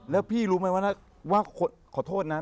แล้วพี่รู้ไหมว่า